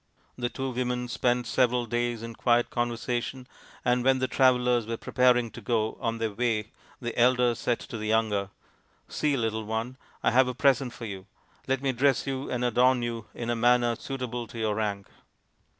The two women spent several days in quiet conversation, and when the travellers were preparing to go on their way the elder said to the younger, " See, little one, I have a present for you. Let me dress you and adorn you in a manner suitable to your rank."